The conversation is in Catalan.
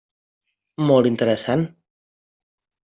Molt interessant.